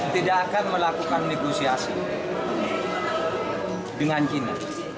tidak akan melakukan negosiasi dengan china